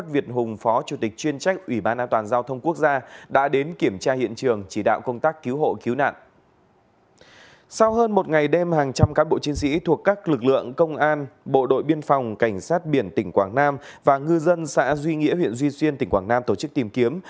sau hơn một ngày đêm hàng trăm cán bộ chiến sĩ thuộc các lực lượng công an bộ đội biên phòng cảnh sát biển tỉnh quảng nam và ngư dân xã duy nghĩa huyện duy xuyên tỉnh quảng nam tổ chức tìm kiếm